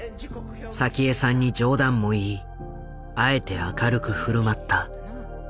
早紀江さんに冗談も言いあえて明るく振る舞った。